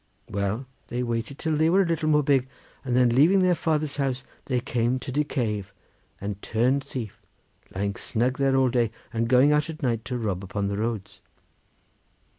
Well, they waited till they were a little more big, and then leaving their father's house they came to de cave and turned thief, lying snug there all day, and going out at night to rob upon the roads.